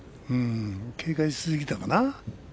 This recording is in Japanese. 警戒しすぎたかな。